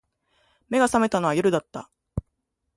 眼が覚めたのは夜だった